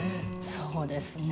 そうですね。